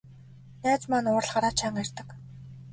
Найз маань уурлахаараа чанга ярьдаг.